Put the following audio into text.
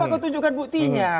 coba aku tunjukkan buktinya